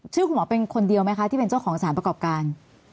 ชื่อคุณหมอเป็นคนเดียวไหมคะที่เป็นเจ้าของสารประกอบการ